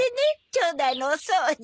町内のお掃除。